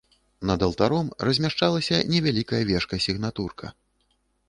Над алтаром размяшчалася невялікая вежка-сігнатурка.